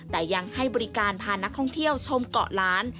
แต่ยังให้บริการพานักท่องเที่ยวชมเกาะล้าน